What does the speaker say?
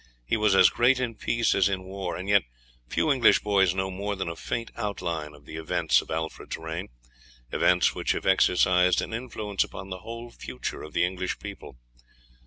He was as great in peace as in war; and yet few English boys know more than a faint outline of the events of Alfred's reign events which have exercised an influence upon the whole future of the English people.